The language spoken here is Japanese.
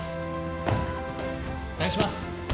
お願いします！